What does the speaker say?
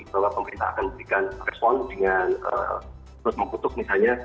kalau pemerintah akan memberikan respon dengan terus mengkutuk misalnya